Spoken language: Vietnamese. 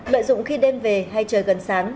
lợi dụng khi đêm về hay trời gần sáng